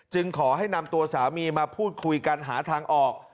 ขอให้นำตัวสามีมาพูดคุยกันหาทางออก